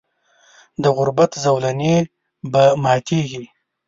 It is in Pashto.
د غربت زولنې به ماتیږي.